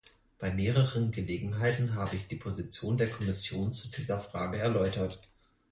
Bei mehreren Gelegenheiten habe ich die Position der Kommission zu dieser Frage erläutert.